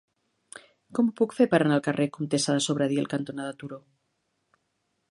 Com ho puc fer per anar al carrer Comtessa de Sobradiel cantonada Turó?